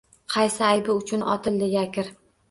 Qaysi aybi uchun otildi Yakir